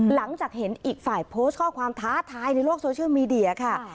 หลังจากเห็นอีกฝ่ายโพสต์ข้อความท้าทายในโลกโซเชียลมีเดียค่ะ